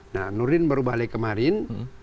nah nurdin baru balik kemarin